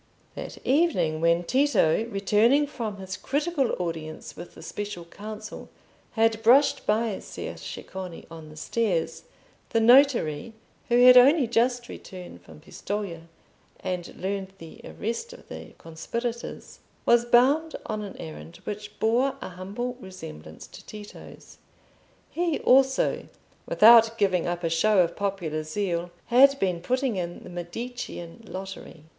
That evening when Tito, returning from his critical audience with the Special Council, had brushed by Ser Ceccone on the stairs, the notary, who had only just returned from Pistoja, and learned the arrest of the conspirators, was bound on an errand which bore a humble resemblance to Tito's. He also, without giving up a show of popular zeal, had been putting in the Medicean lottery.